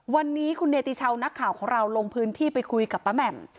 วันนี้คุณเนติชาวนักข่าวของเราลงพื้นที่ไปคุยกับป้าแหม่ม